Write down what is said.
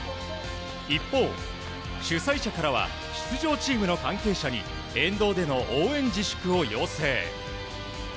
一方、主催者からは出場チームの関係者に沿道での応援自粛を要請。